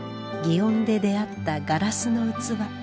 園で出会ったガラスの器。